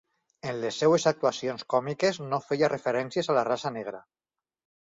En les seves actuacions còmiques no feia referències a la raça negra.